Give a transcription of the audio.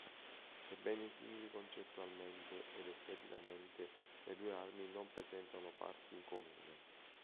Sebbene simili concettualmente ed esteticamente, le due armi non presentano parti in comune.